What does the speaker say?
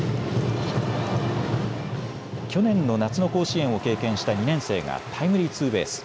去年の夏の甲子園を経験した２年生がタイムリーツーベース。